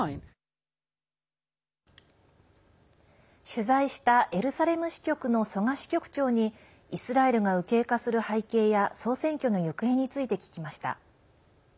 取材したエルサレム支局の曽我支局長にイスラエルが右傾化する背景や総選挙の行方について聞きました。